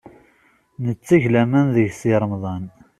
Netteg laman deg Si Remḍan.